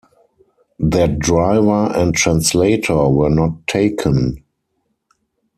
Their driver and translator were not taken.